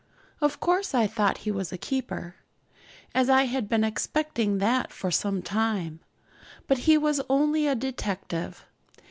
Of course I thought he was a keeper, as I had been expecting that for some time; but he was only a detective.